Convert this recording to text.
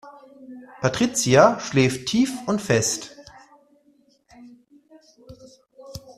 Patricia schläft tief und fest.